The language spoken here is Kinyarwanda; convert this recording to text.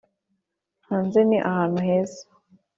hanze ni ahantu heza.